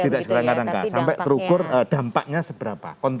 tidak sekedar angka angka sampai terukur dampaknya seberapa